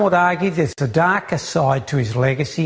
ada yang mengagumi ada sisi gelap bagi legasinya